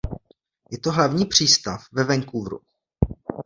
Je to hlavní přístav ve Vancouveru.